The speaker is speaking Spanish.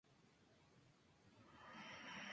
Se encuentra en Brasil, Guayana Francesa, Perú y Surinam.